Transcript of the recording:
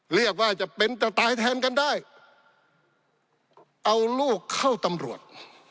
เรียกว่าจะเป็นจะตายแทนกันได้เอาลูกเข้าตำรวจ